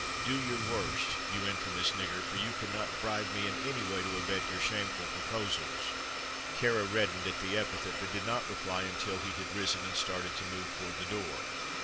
"Do your worst, you infamous nigger, for you cannot bribe me in any way to abet your shameful proposals." Kāra reddened at the epithet, but did not reply until he had risen and started to move toward the door.